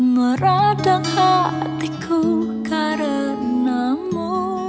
meradang hatiku karenamu